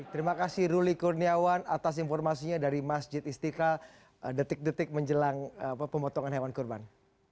terima kasih ruli kurniawan atas informasinya dari masjid istiqlal detik detik menjelang pemotongan hewan kurban